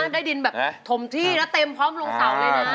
ได้ดินแบบถมที่แล้วเต็มพร้อมลงเสาเลยนะ